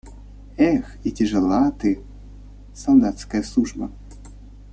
– Эх, и тяжела ты, солдатская служба!